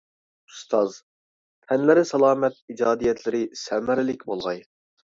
ئۇستاز، تەنلىرى سالامەت، ئىجادىيەتلىرى سەمەرىلىك بولغاي.